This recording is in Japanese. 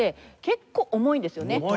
結構重いんですよね。